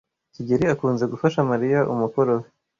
kigeli akunze gufasha Mariya umukoro we.